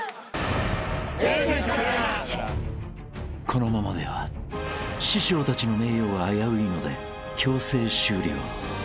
［このままでは師匠たちの名誉が危ういので強制終了］